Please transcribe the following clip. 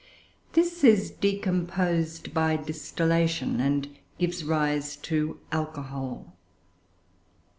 This is decomposed by distillation, and gives rise to alcohol.